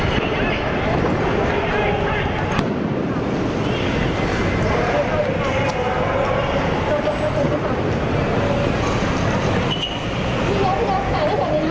สวัสดีครับทุกคน